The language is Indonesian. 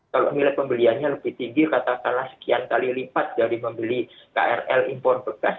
kalau nilai pembeliannya lebih tinggi katakanlah sekian kali lipat dari membeli krl impor bekas